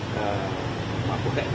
mà có kẻ hữu kinh chỉ